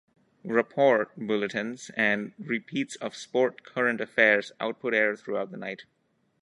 "Rapport" bulletins and repeats of sport current affairs output air throughout the night.